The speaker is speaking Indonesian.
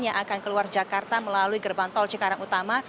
yang akan keluar jakarta melalui gerbang tol cikarang utama